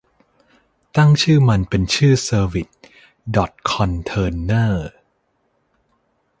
ตั้งชื่อมันเป็นชื่อเซอร์วิสดอทคอนเทอนเนอร์